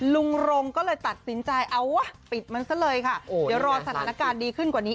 ลุงรงก็เลยตัดสินใจเอาวะปิดมันซะเลยค่ะเดี๋ยวรอสถานการณ์ดีขึ้นกว่านี้